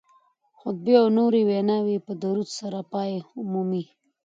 خطبې او نورې ویناوې په درود سره پای مومي